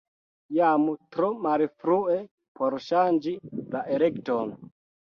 Jam tro malfrue por ŝanĝi la elekton.